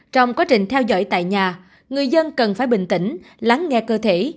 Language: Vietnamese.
trong quá trình theo dõi tại nhà người dân cần phải bình tĩnh lắng nghe cơ thể